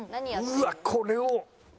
うわっこれを。